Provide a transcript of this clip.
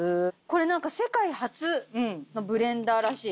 これ何か世界初のブレンダーらしい。